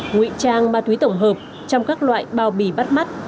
ngụy trang ma túy tổng hợp trong các loại bao bì bắt mắt